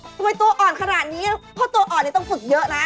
ตัวอ่อนขนาดนี้เพราะตัวอ่อนนี่ต้องฝึกเยอะนะ